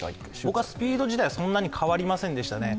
僕はスピード自体はそんなに変わりませんでしたね。